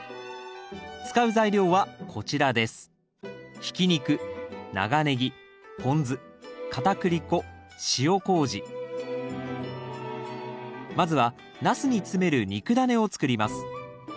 使う材料はこちらですまずはナスに詰める肉だねを作ります。